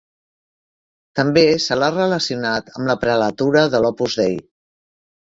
També se l'ha relacionat amb la prelatura de l'Opus Dei.